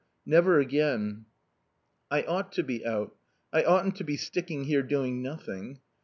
Never again." "I ought to be out. I oughtn't to be sticking here doing nothing....